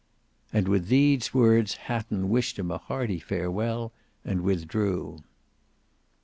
And with these words Hatton wished him a hearty farewell and withdrew.